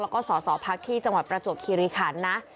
แล้วก็สอสอพักที่จังหวัดประจวบคิริขันนะ